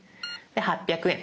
で８００円